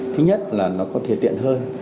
thứ nhất là nó có thể tiện hơn